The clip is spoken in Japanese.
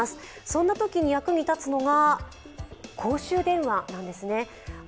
そんなときに役に立つのが公衆電話なんですね。